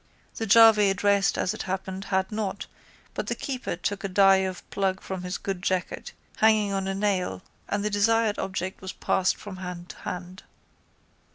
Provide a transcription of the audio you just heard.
The jarvey addressed as it happened had not but the keeper took a die of plug from his good jacket hanging on a nail and the desired object was passed from hand to hand.